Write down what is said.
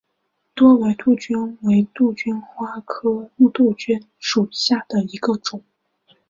多花杜鹃为杜鹃花科杜鹃属下的一个种。